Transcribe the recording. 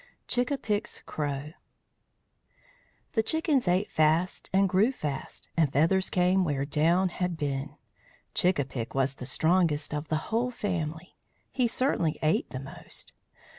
CHICK A PICK'S CROW The chickens ate fast and grew fast, and feathers came where down had been. Chick a pick was the strongest of the whole family. He certainly ate the most.